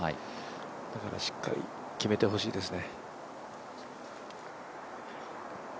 だからしっかり決めてほしいですね。